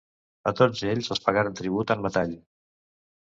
A tots ells els pagaren tribut en metall.